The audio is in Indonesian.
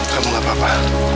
kamu gak apa apa